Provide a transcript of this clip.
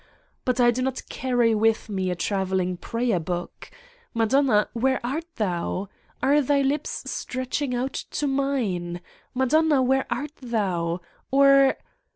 But I do not carry with me a trav eling prayer book! Madonna, where art Thou? Are thy lips stretching out to mine? Madonna, where art Thou? Or?